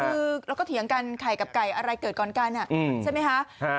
คือเราก็เถียงกันไข่กับไก่อะไรเกิดก่อนกันใช่ไหมคะ